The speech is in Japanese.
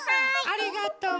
ありがとう。